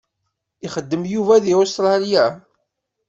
Ixeddem Yuba di Ustralya?